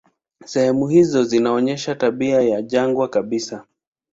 Sehemu hizo zinaonyesha tabia ya jangwa kabisa.